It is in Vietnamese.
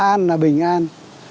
an là bình an